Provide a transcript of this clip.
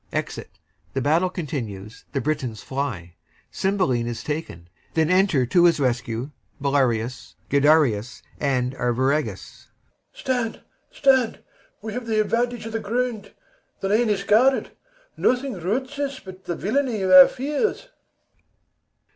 Exit The battle continues; the BRITONS fly; CYMBELINE is taken. Then enter to his rescue BELARIUS, GUIDERIUS, and ARVIRAGUS BELARIUS. Stand, stand! We have th' advantage of the ground; The lane is guarded; nothing routs us but The villainy of our fears.